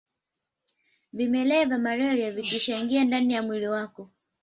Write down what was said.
Vimelea vya malaria vikishaingia ndani ya mwili wako